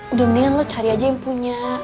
udah mendingan lo cari aja yang punya